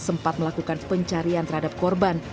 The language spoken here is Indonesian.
sempat melakukan pencarian terhadap korban